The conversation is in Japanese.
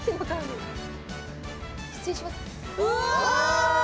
失礼しますうわ！